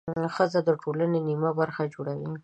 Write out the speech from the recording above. ښځه د ټولنې نیمه برخه جوړوي.